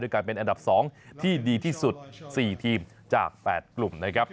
ด้วยการเป็นอันดับสองที่ดีที่สุดสี่ทีมจากแปดกลุ่มนะครับ